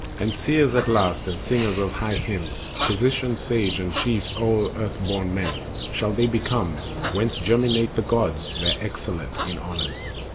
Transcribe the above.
And seers at last, and singers of high hymns, Physicians sage, and chiefs o'er earth born men Shall they become, whence germinate the gods, The excellent in honors.